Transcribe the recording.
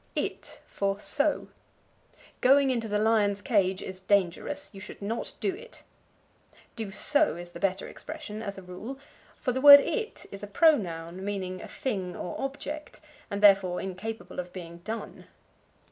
It for So. "Going into the lion's cage is dangerous; you should not do it." Do so is the better expression, as a rule, for the word it is a pronoun, meaning a thing, or object, and therefore incapable of being done.